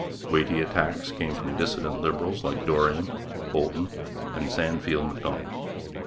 Weighty attacks came from dissentient Liberals like Dorion, Holton, and Sandfield Macdonald.